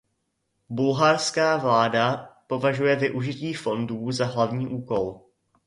Bulharská vláda považuje využití fondů za hlavní úkol.